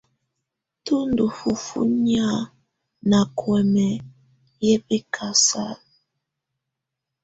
Tù ndù fufuǝ́ nɛ̀á nà kuɛmɛ yɛ̀ bɛkasala.